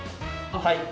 はい！